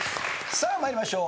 さあ参りましょう。